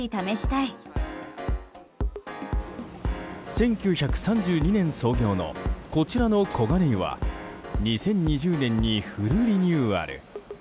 １９３２年創業のこちらの黄金湯は２０２０年にフルリニューアル。